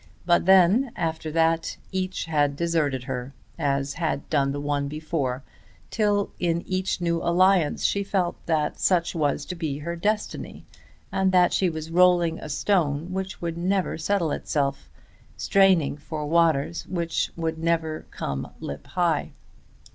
But then, after that, each had deserted her as had done the one before; till in each new alliance she felt that such was to be her destiny, and that she was rolling a stone which would never settle itself, straining for waters which would never come lip high.